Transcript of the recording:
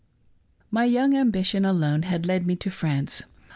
My young ambition alone had led me to France.